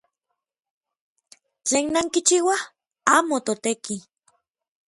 ¿Tlen nankichiuaj? ¡Amo toteki!